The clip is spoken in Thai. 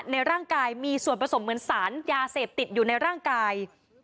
ในร่างกายมีส่วนผสมเหมือนสารยาเสพติดอยู่ในร่างกาย